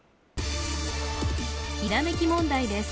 ひらめき問題です